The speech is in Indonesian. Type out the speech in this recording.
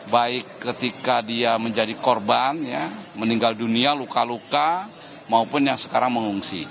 baik ketika dia menjadi korban meninggal dunia luka luka maupun yang sekarang mengungsi